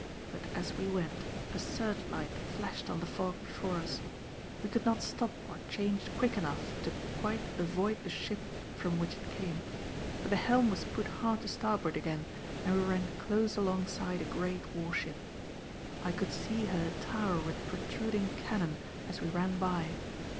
But as we went, a searchlight flashed on the fog before us. We could not stop or change quick enough to quite avoid the ship from which it came, but the helm was put hard to starboard again and we ran close along side a great war ship. I could see her tower with protruding cannon as we ran by.